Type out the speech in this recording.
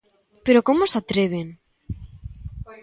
¡Pero como se atreven!